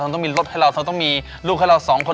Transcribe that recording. ต้องมีรถให้เราเธอต้องมีลูกให้เราสองคน